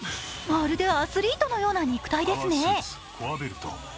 まるでアスリートのような肉体ですね。